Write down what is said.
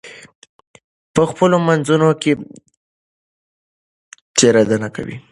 په خپلو منځونو کې تېرېدنه کوئ.